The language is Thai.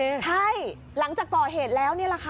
ใช่หลังจากก่อเหตุแล้วนี่แหละค่ะ